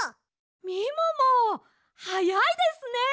みももはやいですね！